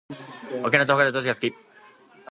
沖縄と北海道どっちが好き？